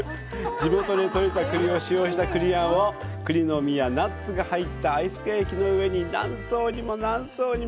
地元でとれた栗を使用した栗餡を栗の実やナッツが入ったアイスケーキの上に何層にも何層にも！